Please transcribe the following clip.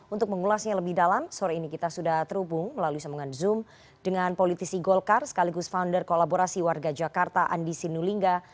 untuk mengulasnya lebih dalam sore ini kita sudah terhubung melalui sambungan zoom dengan politisi golkar sekaligus founder kolaborasi warga jakarta andi sinulinga